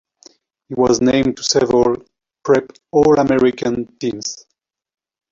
He was named to several prep All-American teams.